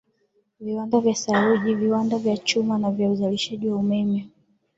viwanda vya saruji viwanda vya chuma na vya uzalishaji wa umeme